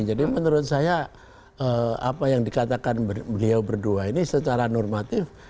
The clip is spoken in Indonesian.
jadi menurut saya apa yang dikatakan beliau berdua ini secara normatif